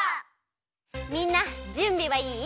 みんなじゅんびはいい？